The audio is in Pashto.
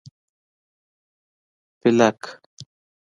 🦃 پېلک